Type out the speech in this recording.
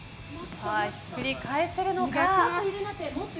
ひっくり返せるのか。